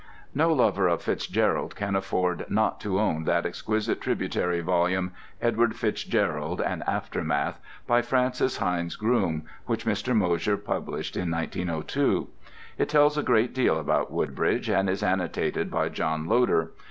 [D] No lover of FitzGerald can afford not to own that exquisite tributary volume "Edward FitzGerald: An Aftermath," by Francis Hindes Groome, which Mr. Mosher published in 1902. It tells a great deal about Woodbridge, and is annotated by John Loder.